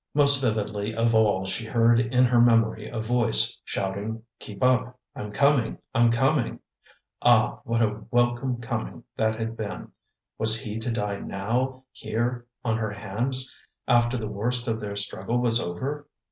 Most vividly of all she heard in her memory a voice shouting, "Keep up! I'm coming, I'm coming!" Ah, what a welcome coming that had been! Was he to die, now, here on her hands, after the worst of their struggle was over?